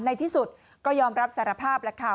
ในที่สุดก็ยอมรับสารภาพแล้วค่ะ